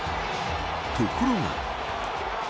ところが。